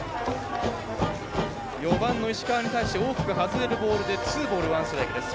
４番の石川に対して大きく外れるボールでツーボール、ワンストライクです。